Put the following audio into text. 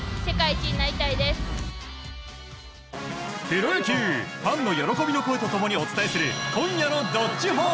プロ野球、ファンの喜びの声と共にお伝えする今夜の「＃どっちほー」。